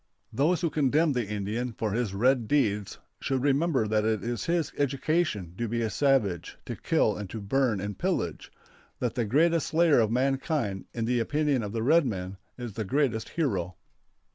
Those who condemn the Indian for his red deeds should remember that it is his education to be a savage, to kill and to burn and pillage; that the greatest slayer of mankind, in the opinion of the red men, is the greatest hero.